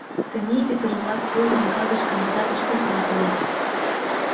Тений ӱдыр-влак пыл лоҥга гыч кандыра деч посна волат.